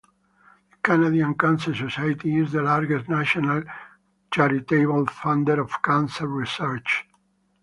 The Canadian Cancer Society is the largest national charitable funder of cancer research.